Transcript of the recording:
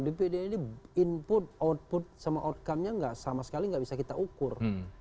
dpd ini input output sama outcome nya sama sekali nggak bisa kita ukur